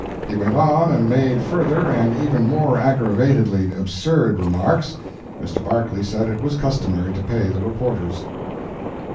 ] He went on and made further and even more aggravatedly absurd remarks. Mr. Barclay said it was customary to pay the reporters.